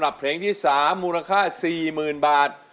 ในวันที่๓มูลค่า๔๐๐๐๐บาท